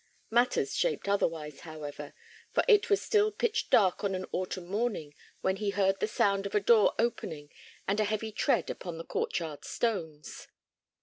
Matters shaped otherwise, however, for it was still pitch dark on an autumn morning when he heard the sound of a door opening and a heavy tread upon the court yard stones.